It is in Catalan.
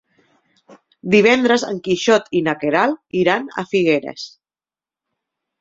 Divendres en Quixot i na Queralt iran a Figueres.